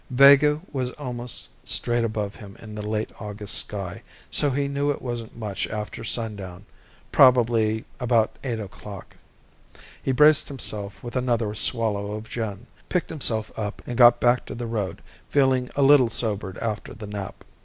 Vega was almost straight above him in the late August sky, so he knew it wasn't much after sundown probably about eight o'clock. He braced himself with another swallow of gin, picked himself up and got back to the road, feeling a little sobered after the nap.